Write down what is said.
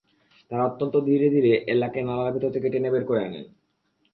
তাঁরা অত্যন্ত ধীরে ধীরে এলাকে নালার ভেতর থেকে টেনে বের করে আনেন।